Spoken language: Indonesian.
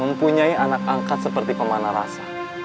mempunyai anak angkat seperti pemana rasa